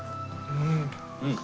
うん。